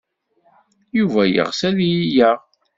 Yuba yeɣs ad iyi-yaɣ.